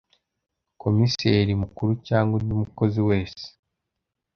Komiseri Mukuru cyangwa undi mukozi wese